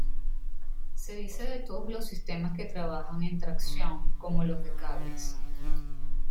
Se dice de todos los sistemas que trabajan a tracción, como los de cables.